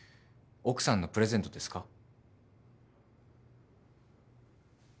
奥さんのプレゼントですか？